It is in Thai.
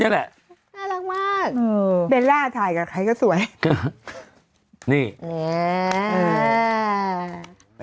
นี่แหละน่ารักมากเบลล่าถ่ายกับใครก็สวยนี่อืม